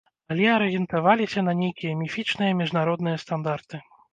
Але арыентаваліся на нейкія міфічныя міжнародныя стандарты.